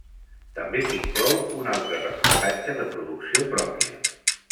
També s'hi inclou un altre reportatge de producció pròpia.